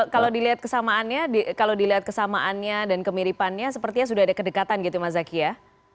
kalau dilihat kesamaannya kalau dilihat kesamaannya dan kemiripannya sepertinya sudah ada kedekatan gitu mas zaky ya